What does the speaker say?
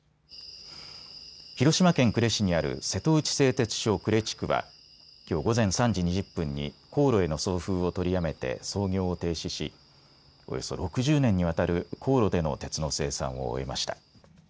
広島県呉市にある瀬戸内製鉄所呉地区はきょう午前３時２０分に高炉への送風を取りやめて操業を停止し、およそ６０年にわたる高炉での鉄の生産を終えました。